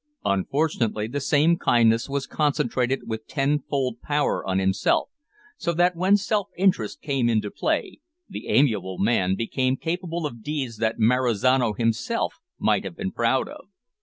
Unfortunately the same kindliness was concentrated with tenfold power on himself, so that when self interest came into play the amiable man became capable of deeds that Marizano himself might have been proud of.